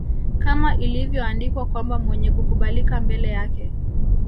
Kama ilivyoandikwa kwamba Mwenye kukubalika mbele yake